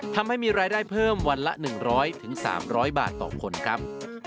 ทำให้มีรายได้เพิ่มวันละ๑๐๐๓๐๐บาทต่อคนครับ